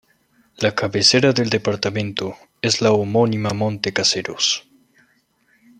La cabecera del departamento es la homónima Monte Caseros.